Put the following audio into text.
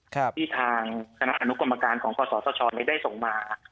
ที่ทางคณะอนุกรรมการของคศได้ส่งมา